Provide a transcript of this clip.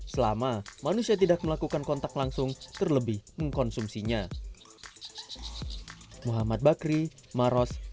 selama manusia tidak melakukan kontak langsung terlebih mengkonsumsinya